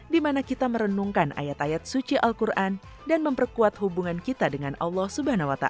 dimana kita merenungkan ayat ayat suci al quran dan memperkuat hubungan kita dengan allah swt